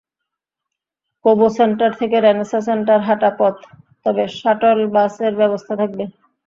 Kobo centre থেকে Renaissance centre হাঁটা পথ, তবে শাটল বাসের ব্যবস্থা থাকবে।